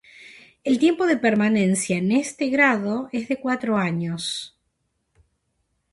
El tiempo de permanencia en este grado es de cuatro años.